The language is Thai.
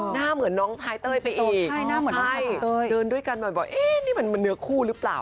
หน้าเหมือนน้องชายเต้ยไปอีกใช่่ายเดินด้วยกันมันบอกเอะนี่มันเหมือนเนื้อคู่หรือเปล่า